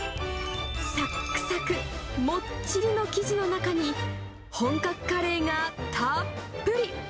さっくさく、もっちりの生地の中に、本格カレーがたっぷり。